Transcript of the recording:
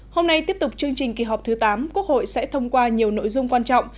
hôm nay tiếp tục chương trình kỳ họp thứ tám quốc hội sẽ thông qua nhiều nội dung quan trọng